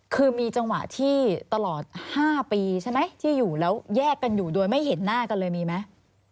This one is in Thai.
คือมีจังหวะที่ตลอด๕ปีใช่ไหมที่อยู่แล้วแยกกันอยู่โดยไม่เห็นหน้ากันเลยมีไหม